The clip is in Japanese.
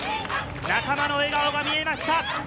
仲間の笑顔が見えました。